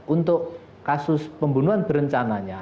untuk kasus pembunuhan berencananya